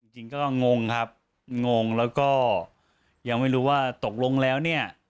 จริงก็งงครับงงแล้วก็ยังไม่รู้ว่าตกลงแล้วเนี่ย